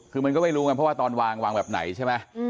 คือมันก็ไม่รู้ไงเพราะว่าตอนวางวางแบบไหนใช่ไหม